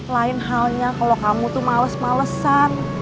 lain halnya kalau kamu tuh males malesan